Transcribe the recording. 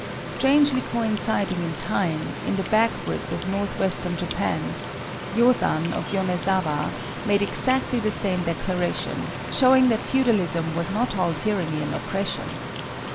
Strangely coinciding in time, in the backwoods of North western Japan, Yozan of Yonézawa made exactly the same declaration, showing that feudalism was not all tyranny and oppression.